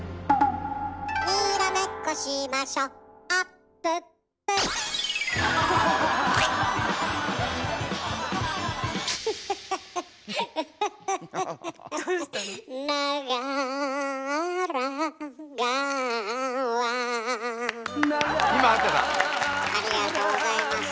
ありがとうございます。